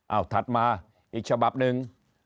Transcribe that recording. เอาถัดมาอีกฉบับหนึ่ง